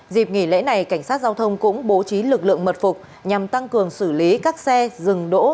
dịp nghỉ lễ này cảnh sát giao thông cũng bố trí lực lượng mật phục nhằm tăng cường xử lý các xe dừng đỗ